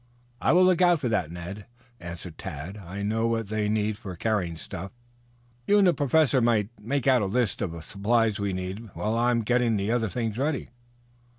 "I will look out for that, Ned," answered Tad. "I know what they need for carrying the stuff. You and the Professor might make out a list of supplies needed while I am getting the other things ready."